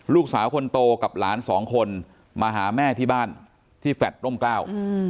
ลูกสาวคนโตกับหลานสองคนมาหาแม่ที่บ้านที่แฟลตร่มกล้า